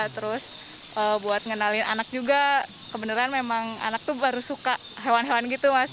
terus buat ngenalin anak juga kebenaran memang anak tuh baru suka hewan hewan gitu mas